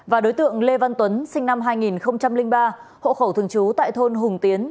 và đối tượng lê văn tuấn sinh năm hai nghìn ba hộ khẩu thường trú tại thôn hùng tiến